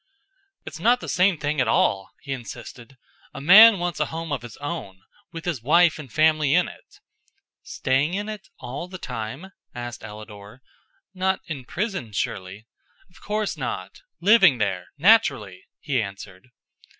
"It's not the same thing at all," he insisted. "A man wants a home of his own, with his wife and family in it." "Staying in it? All the time?" asked Ellador. "Not imprisoned, surely!" "Of course not! Living there naturally," he answered.